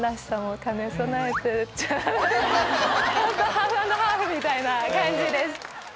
ハーフ＆ハーフみたいな感じです。